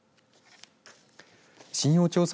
信用調査